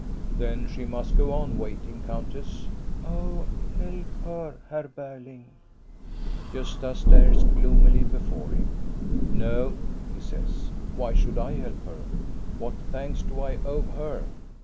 Then she must go on waiting, countess." " Oh, help her, Herr Berling !" Gosta stares gloomily before him. " No," he says, "why should I help her? What thanks do I owe her?